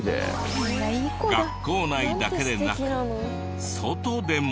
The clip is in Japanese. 学校内だけでなく外でも。